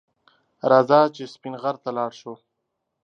رځه چې سپین غر ته لاړ شو